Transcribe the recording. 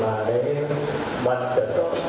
สวัสดีครับสวัสดีครับ